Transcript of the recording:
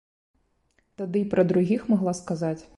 Тады і пра другіх магла сказаць?